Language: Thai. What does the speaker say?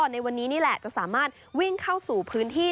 ในวันนี้นี่แหละจะสามารถวิ่งเข้าสู่พื้นที่